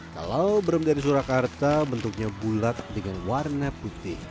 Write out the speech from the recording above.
kalau brem dari surakarta bentuknya bulat dengan warna putih